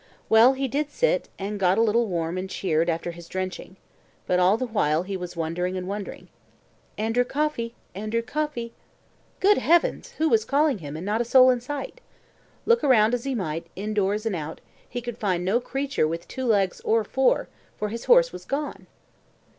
Well, he did sit, and got a little warm and cheered after his drenching. But all the while he was wondering and wondering. "Andrew Coffey! Andrew Coffey!" Good heavens! who was calling him, and not a soul in sight? Look around as he might, indoors and out, he could find no creature with two legs or four, for his horse was gone.